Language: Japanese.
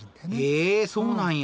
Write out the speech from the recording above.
へえそうなんや。